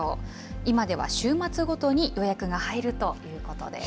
今では週末ごとに予約が入るということです。